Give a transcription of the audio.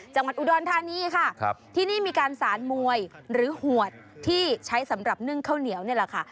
จังหวัดอุดรธานีค่ะครับที่นี่มีการสารมวยหรือหวดที่ใช้สำหรับนึ่งข้าวเหนียวนี่แหละค่ะ